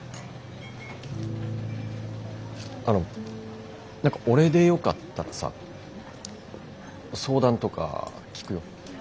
あの何か俺でよかったらさ相談とか聞くよ。